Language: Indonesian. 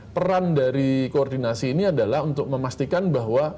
peran dari koordinasi ini adalah untuk memastikan bahwa